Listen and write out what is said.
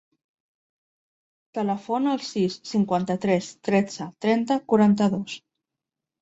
Telefona al sis, cinquanta-tres, tretze, trenta, quaranta-dos.